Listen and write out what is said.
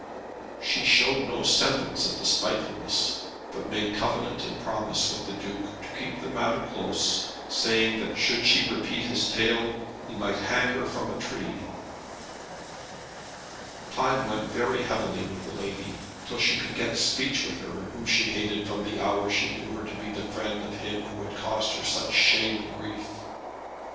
She showed no semblance of despitefulness, but made covenant and promise with the Duke to keep the matter close, saying that should she repeat his tale he might hang her from a tree. Time went very heavily with the lady, till she could get speech with her, whom she hated from the hour she knew her to be the friend of him who had caused her such shame and grief.